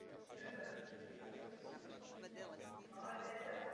Narodil se jako syn učitele na základní škole.